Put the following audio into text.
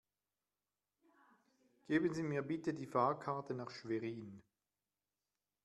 Geben Sie mir bitte die Fahrkarte nach Schwerin